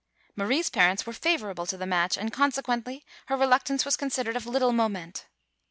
Marie's parents were favorable to the match, and consequently her reluctance was considered of little moment.